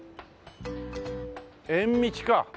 「縁道」か。